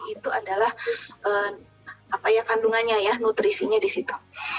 itu adalah apa ya kandungannya ya nutrisinya di situ